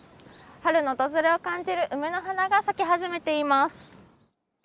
春の訪れを感じる梅の花が咲き始めています。